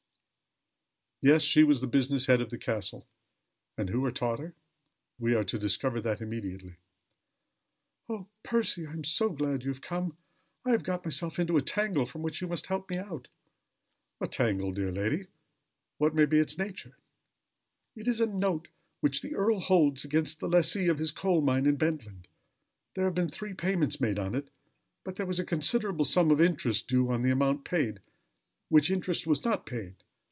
Yes, she was the business head of the castle. And who had taught her? We are to discover that immediately. "Oh, Percy! I am glad you have come. I have got myself into a tangle from which you must help me out." "A tangle, dear lady? What may be its nature?" "It is a note which the earl holds against the lessee of his coal mine in Bentland. There have been three payments made on it: but there was a considerable sum of interest due on the amount paid, which interest was not paid.